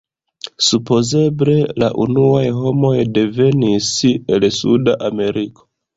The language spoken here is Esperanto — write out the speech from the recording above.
Supozeble la unuaj homoj devenis el Suda Ameriko.